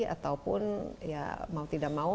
ataupun ya mau tidak mau